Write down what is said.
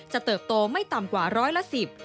เติบโตไม่ต่ำกว่าร้อยละสิบ